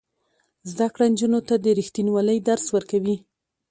زده کړه نجونو ته د ریښتینولۍ درس ورکوي.